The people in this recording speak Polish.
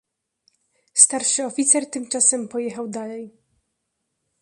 "Starszy oficer tymczasem pojechał dalej."